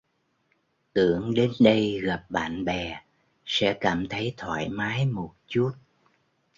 tưởng đến đây gặp bạn bè sẽ cảm thấy thoải mái một chút